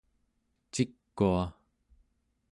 cikua